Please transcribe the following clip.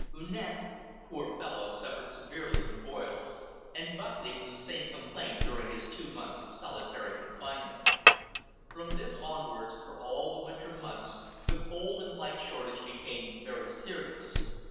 Unett, poor fellow, suffered severely from boils, and Buckley from the same complaint during his two months' solitary confinement. From this onwards, for all the winter months, the coal and light shortage became very serious.